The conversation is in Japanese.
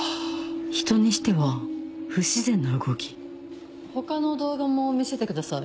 人にしては不自然な動き他の動画も見せてください。